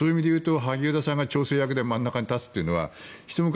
萩生田さんが調整役で真ん中に立つというのはひと昔